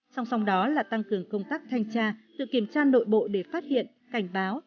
song song đó là tăng cường công tác thanh tra tự kiểm tra nội bộ để phát hiện cảnh báo